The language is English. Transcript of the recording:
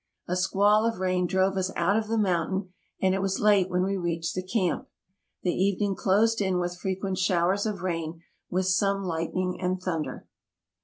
A squall of rain drove us out of the mountain, and it was late when we reached the camp. The AMERICA 89 evening closed in with frequent showers of rain, with some lightning and thunder.